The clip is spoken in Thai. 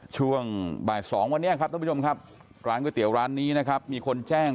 ช่วงบ่าย๒วันนี้ครับร้านก๋วยเตี๋ยวร้านนี้นะครับมีคนแจ้ง